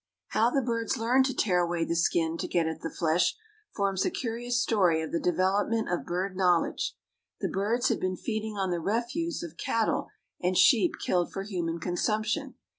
How the birds learned to tear away the skin to get at the flesh forms a curious story of the development of bird knowledge. The birds had been feeding on the refuse of cattle and sheep killed for human consumption.